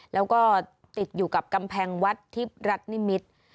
แล้วก็ติดอยู่กับกำแพงวัดทิพย์รัฐนิมิตร